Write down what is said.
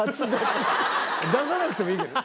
出さなくてもいいけど。